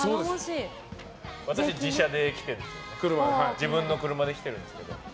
自分の車で来てるんですけど。